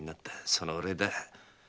そのお礼だよ。